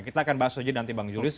kita akan bahas saja nanti bang julius